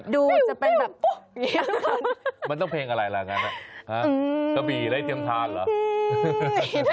ดูจะเป็นแบบมันต้องเพลงอะไรล่ะงั้นกะบี่ได้เตรียมทานเหรอ